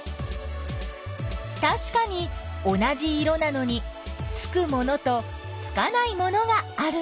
たしかに同じ色なのにつくものとつかないものがあるんだね。